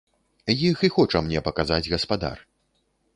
Іх і хоча мне паказаць гаспадар.